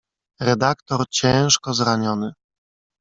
"Redaktor ciężko zraniony“."